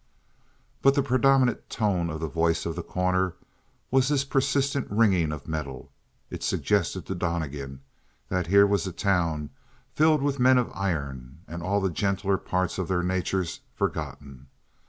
But the predominant tone of the voice of The Corner was this persistent ringing of metal. It suggested to Donnegan that here was a town filled with men of iron and all the gentler parts of their natures forgotten.